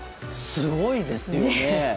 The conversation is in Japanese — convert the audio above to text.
すごいですよね。